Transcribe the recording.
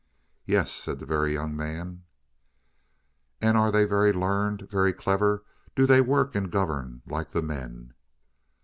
"Yes," said the Very Young Man. "And are they very learned very clever do they work and govern, like the men?"